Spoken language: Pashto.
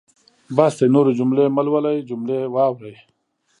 بس دی نورې جملې مهلولئ جملې واورئ.